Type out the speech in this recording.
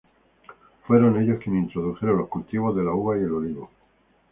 Fueron ellos quienes introdujeron los cultivos de la uva y el olivo.